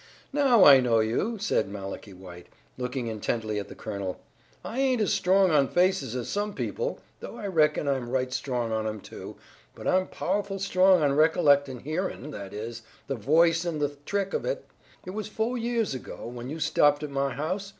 "Now I know you," said Malachi White, looking intently at the colonel. "I ain't as strong on faces as some people, though I reckon I'm right strong on 'em, too, but I'm pow'ful strong on recollectin' hear'in', that is, the voice and the trick of it. It was fo' yea's ago when you stopped at my house.